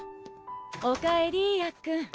おかえりやっくん。